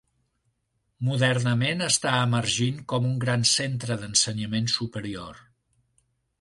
Modernament està emergint com un gran centre d'ensenyament superior.